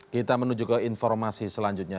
kita menuju ke informasi selanjutnya